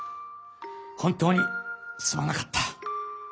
本当にすまなかった。